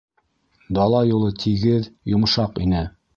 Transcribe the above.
Дала юлы тигеҙ, йомшаҡ ине.